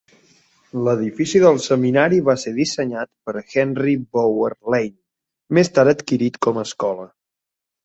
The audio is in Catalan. L'edifici del seminari va ser dissenyat per Henry Bowyer Lane, més tard adquirit com a escola.